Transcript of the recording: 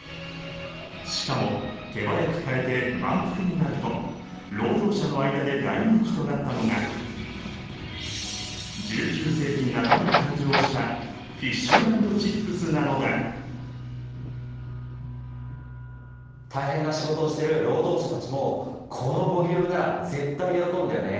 しかも手早く買えて満腹になると労働者の間で大人気となったのが１９世紀半ばに誕生した大変な仕事をしてる労働者たちもこのボリュームなら絶対喜んだよね。